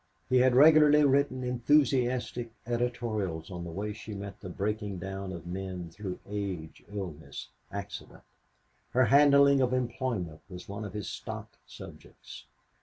He had regularly written enthusiastic editorials on the way she met the breaking down of men through age, illness, accident. Her handling of employment was one of his stock subjects.